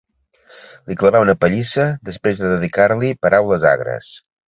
Li clavà una pallissa després de dedicar-li paraules agres.